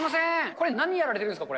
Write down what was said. これ、何やられているんですか。